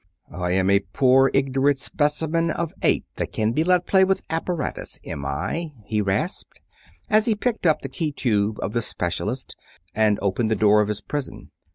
"I am a poor, ignorant specimen of ape that can be let play with apparatus, am I?" he rasped, as he picked up the key tube of the specialist and opened the door of his prison.